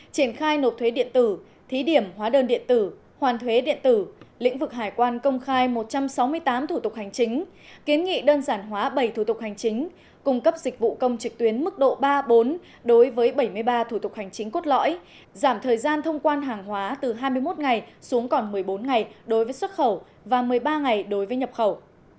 triển khai nộp thuế điện tử thí điểm hóa đơn điện tử hoàn thuế điện tử lĩnh vực hải quan công khai một trăm sáu mươi tám thủ tục hành chính kiến nghị đơn giản hóa bảy thủ tục hành chính cung cấp dịch vụ công trực tuyến mức độ ba bốn đối với bảy mươi ba thủ tục hành chính cốt lõi giảm thời gian thông quan hàng hóa từ hai mươi một ngày xuống còn một mươi bốn ngày đối với xuất khẩu và một mươi ba ngày đối với nhập khẩu